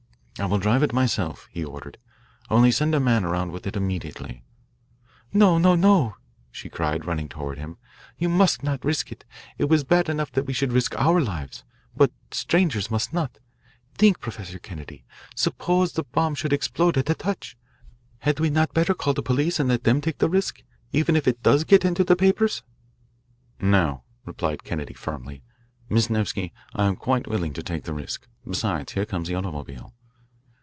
"I will drive it myself," he ordered, "only send a man around with it immediately." "No, no, no," she cried, running toward him, you must not risk it. It is bad enough that we should risk our lives. But strangers must not. Think, Professor Kennedy. Suppose the bomb should explode at a touch! Had we not better call the police and let them take the risk, even if it does get into the papers?" "No," replied Kennedy firmly. "Miss Nevsky, I am quite willing to take the risk. Besides, here comes the automobile."